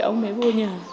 ông mới vô nhà